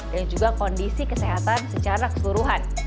dan juga kondisi kesehatan secara keseluruhan